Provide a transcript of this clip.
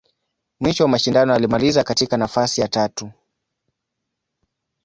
Mwisho wa mashindano, alimaliza katika nafasi ya tatu.